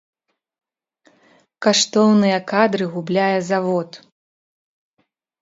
Каштоўныя кадры губляе завод!